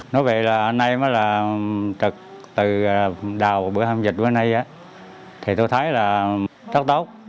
nói vậy là anh em là trực từ đầu bữa hôm dịch đến nay thì tôi thấy là rất tốt